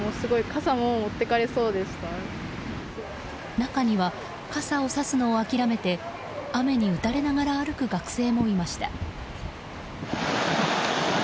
中には傘をさすのを諦めて雨に打たれながら歩く学生もいました。